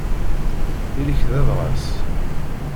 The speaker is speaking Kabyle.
Ili-k d abɣas.